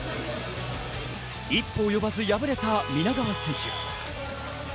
一歩及ばず敗れた皆川選手。